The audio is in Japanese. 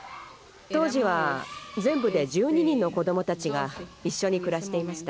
当時は全部で１２人の子どもたちが一緒に暮らしていました。